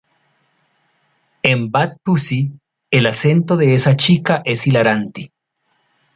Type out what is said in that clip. En "Bat Pussy", el acento de esa chica es hilarante".